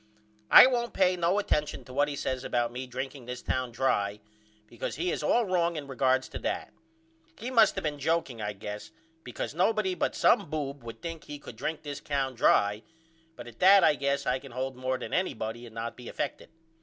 I won't pay no attention to what he says about me drinking this town dry because he is all wrong in regards to that. He must of been jokeing I guess because nobody but some boob would think he could drink this town dry but at that I guess I can hold more than anybody and not be effected.